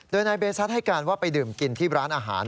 โดยนายเบซัสให้การว่าไปดื่มกินที่ร้านอาหาร